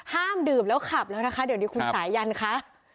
ห้ามดื่มแล้วขับแล้วนะคะเดี๋ยวนี้คุณสายันคะ